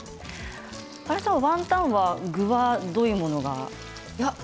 原さん、ワンタンは具はどういうものですか。